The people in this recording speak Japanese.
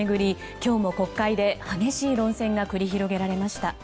今日も国会で激しい論戦が繰り広げられました。